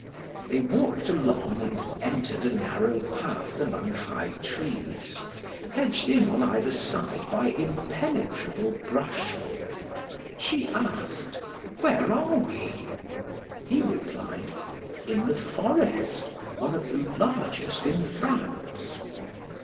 They walked along and entered a narrow path among high trees, hedged in on either side by impenetrable brushwood. She asked: "Where are we?" He replied: "In the forest one of the largest in France."